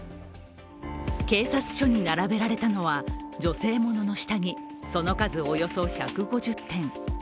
警察署に並べられたのは女性ものの下着、その数、およそ１５０点。